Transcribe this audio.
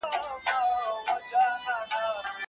تعليم شوې نجونې د خلکو ترمنځ شفاف بحث ساتي.